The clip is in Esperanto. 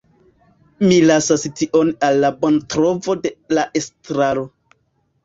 Mi lasas tion al la bontrovo de la estraro.